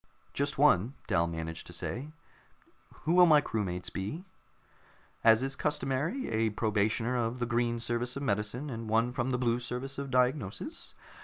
"Just one," Dal managed to say. "Who will my crewmates be?" "As is customary, a probationer from the Green Service of Medicine and one from the Blue Service of Diagnosis.